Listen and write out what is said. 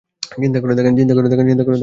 চিন্তা করে দেখেন।